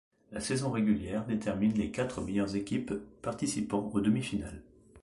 La saison régulière détermine les quatre meilleurs équipes participant aux demi-finales.